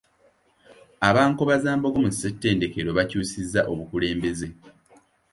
Aba Nkobazambogo mu ssentedekero bakyusizza obukulembeze.